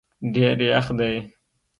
ډېر یخ دی